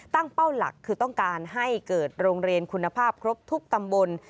เป้าหลักคือต้องการให้เกิดโรงเรียนคุณภาพครบทุกตำบล